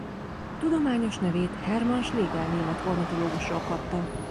Tudományos nevét Hermann Schlegel német ornitológusról kapta.